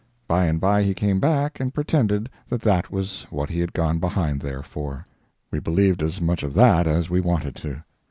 By and by he came back and pretended that that was what he had gone behind there for. We believed as much of that as we wanted to.